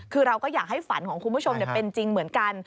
คือเราก็อยากให้ฝันของคุณผู้ชมเป็นจริงเหมือนกัน